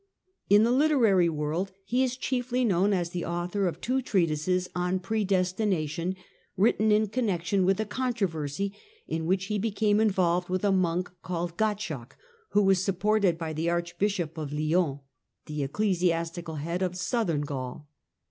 In the literary world he is chiefly known as the author of two treatises on Predestination, written in con nection with a controversy in which he became involved with a monk named Gottschalk, who was supported by the Archbishop of Lyons, the ecclesiastical head of Southern Gaul.